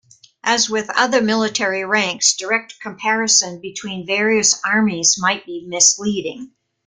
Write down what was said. As with many other military ranks, direct comparison between various armies might be misleading.